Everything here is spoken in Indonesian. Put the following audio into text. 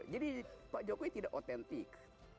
jadi pak jokowi tidak otentik